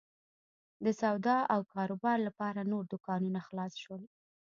د سودا او کاروبار لپاره نور دوکانونه خلاص شول.